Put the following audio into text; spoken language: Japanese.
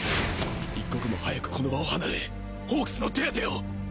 一刻も早くこの場を離れホークスの手当てを